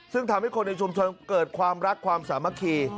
ซึ่งทำให้คนในชุมชนเกิดความรักความสามัคคี